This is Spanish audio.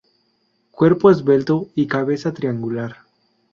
Cuerpo esbelto y cabeza triangular.